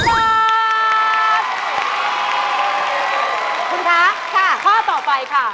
คุณท้าข้อต่อไปค่ะ